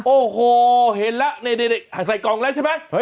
โอ้โหเห็นแล้วนี่ใส่กล่องแล้วใช่ไหม